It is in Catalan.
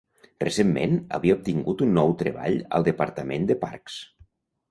Recentment, havia obtingut un nou treball al Departament de Parcs.